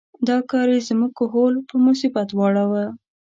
دا کار یې زموږ کهول په مصیبت واړاوه.